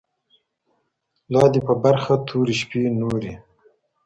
لادي په برخه توري شپې نوري